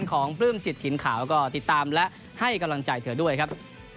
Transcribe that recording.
ของปลื้มจิตถิ่นขาวก็ติดตามและให้กำลังใจเธอด้วยครับ